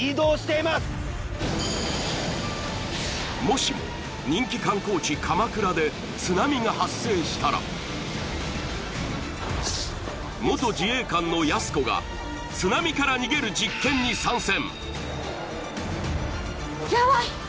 もしも人気観光地鎌倉で津波が発生したら元自衛官のやす子が津波から逃げる実験に参戦